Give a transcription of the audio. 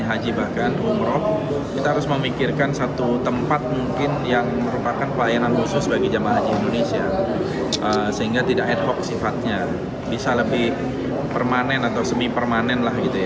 fadli mencotokkan pembangunan sebuah tempat bagi pelayanan haji yang tidak ad hoc tapi permanen semi permanen